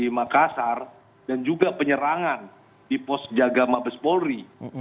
di makassar dan juga penyerangan di pos jagama bespolri